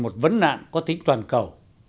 một vấn nạn có tính toàn cầu